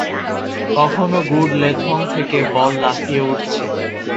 কখনো good length থেকে ball লাফিয়ে উঠছে।